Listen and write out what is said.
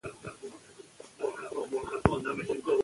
عامه سرچینې د عادلانه وېش اړتیا لري.